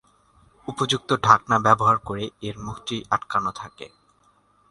উপযুক্ত ঢাকনা ব্যবহার করে এর মুখটি আটকানো থাকে।